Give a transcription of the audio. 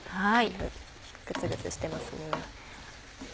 グツグツしてますね。